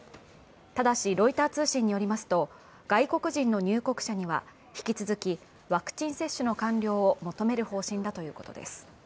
ただし、ロイター通信によりますと外国人の入国者には引き続きワクチン接種の完了を求める方針だということです。